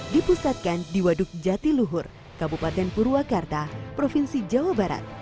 dipusatkan di waduk jatiluhur kabupaten purwakarta provinsi jawa barat